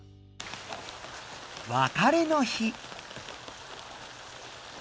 わかれの日。